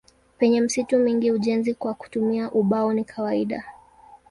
Penye misitu mingi ujenzi kwa kutumia ubao ni kawaida.